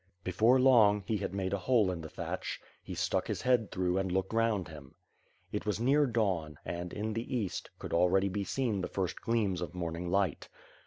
Before long, he had made a hole in the thatch. He stuck his head through and looked round him. It was near dawn and, in the East, could already be seen the first gleams of morning light.